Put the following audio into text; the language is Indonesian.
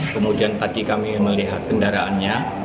kemudian tadi kami melihat kendaraannya